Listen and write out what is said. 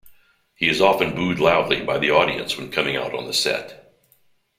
He is often booed loudly by the audience when coming out on the set.